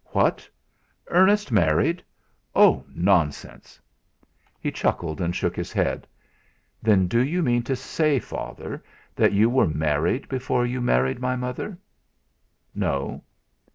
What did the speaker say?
"What! Ernest married Oh! nonsense!" He chuckled, and shook his head. "Then do you mean to say, Father, that you were married before you married my mother?" "No."